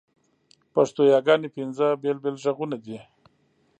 پښتو یاګاني پینځه بېل بېل ږغونه دي.